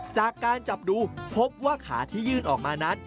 จากการจับดูพบว่าขาที่ยื่นออกมานั้น